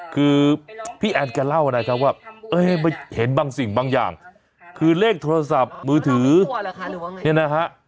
คือพี่แอนแกเล่านะครับว่าเห็นบางสิ่งบางอย่างคือเลขโทรศัพท์มือถือเนี่ยนะฮะ